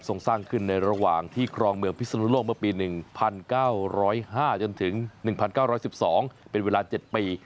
สร้างขึ้นในระหว่างที่ครองเมืองพิศนุโลกเมื่อปี๑๙๐๕จนถึง๑๙๑๒เป็นเวลา๗ปี